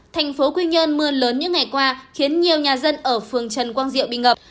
thành phố quy nhơn mưa lớn những ngày qua khiến nhiều nhà dân ở phường trần quang diệu bị ngập